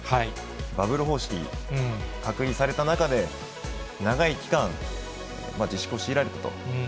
バブル方式、隔離された中で、長い期間、自粛を強いられたと。